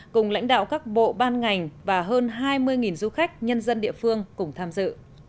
cùng lãnh đạo các bộ ban ngành và hơn hai mươi du khách nhân dân địa phương cùng tham dự